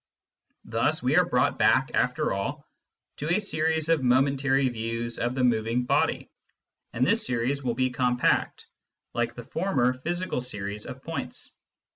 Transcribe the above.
Thus we are brought back, after all, to a series of momentary views of the moving body, and this series will be compact, like the former physical series of points.